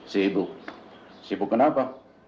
sibuk sibuk kenapa